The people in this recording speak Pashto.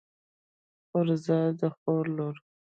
خورزه د خور لور.